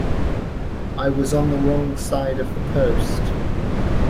I was on the wrong side of the post.